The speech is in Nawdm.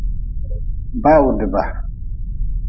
Bawdba.